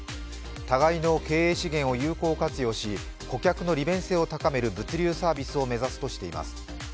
互いの経営資源を有効活用し顧客の利便性を高める物流サービスを目指すとしています。